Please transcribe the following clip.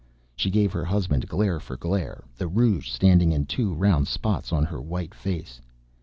She gave her husband glare for glare, the rouge standing in two round spots on her white face.